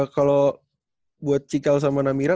kalau buat cikal sama namira